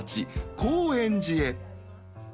高円寺へ△